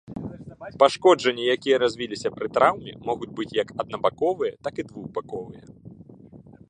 Пашкоджанні, якія развіліся пры траўме, могуць быць як аднабаковыя так і двухбаковыя.